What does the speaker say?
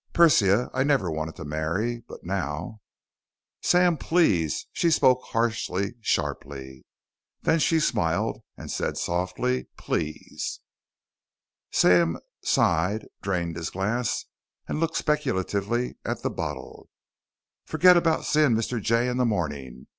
"Persia, I never wanted to marry, but now " "Sam, please!" She spoke harshly, sharply. Then she smiled and said softly, "Please." Sam sighed, drained his glass, and looked speculatively at the bottle. "Forget about seeing Mr. Jay in the morning.